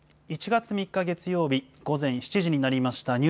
１月３日月曜日午前７時になりました。